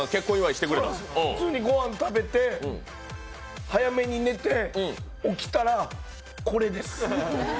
普通にごはん食べて早めに寝て起きたらこれです。